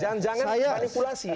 jangan jangan manipulasi ini